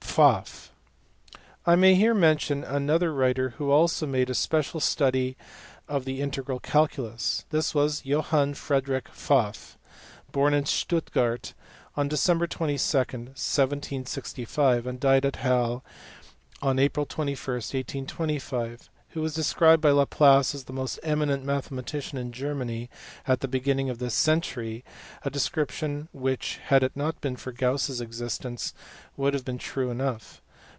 Pfaff. I may here mention another writer who also made a special study of the integral calculus. This was Johann Friederich Pfaff, born at Stuttgart on Dec. 22, 1765, and died at Halle on April 21, 1825, who was described by Laplace as the most eminent mathematician in Germany at the beginning of this century, a description which, had it not been for Gauss s existence, would have been true enough.